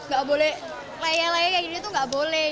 gak boleh leye laya kayak gini tuh gak boleh